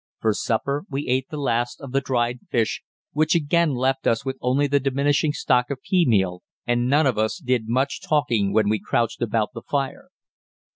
For supper we ate the last of the dried fish, which again left us with only the diminishing stock of pea meal, and none of us did much talking when we crouched about the fire.